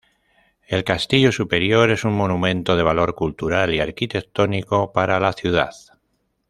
El castillo superior es un monumento de valor cultural y arquitectónico para la ciudad.